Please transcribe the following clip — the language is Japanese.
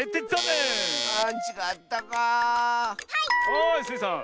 はいスイさん。